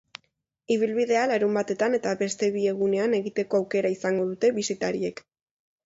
Ibilbidea larunbatetan eta beste bi egunean egiteko aukera izango dute bisitariek.